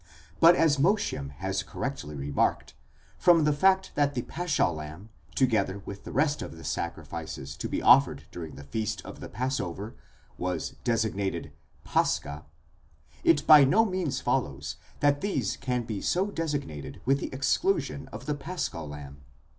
But as Mosheim has correctly remarked, from the fact that the paschal lamb, together with the rest of the sacrifices to be offered during the feast of the passover was designated πάσχα, it by no means follows that these can be so designated with the exclusion of the paschal lamb.'